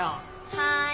はい。